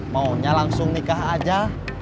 maunya langsung nikah aja